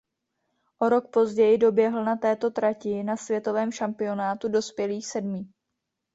O rok později doběhl na této trati na světovém šampionátu dospělých sedmý.